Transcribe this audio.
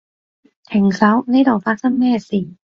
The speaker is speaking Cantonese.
停手，呢度發生咩事？